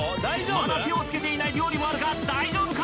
まだ手をつけていない料理もあるが大丈夫か？